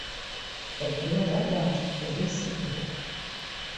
Kad bļoda apgāzta, tad visi gudri.